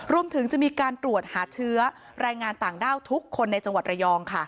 รวมถึงจะมีการตรวจหาเชื้อรายงานต่างด้าวทุกคนในจังหวัดระยอง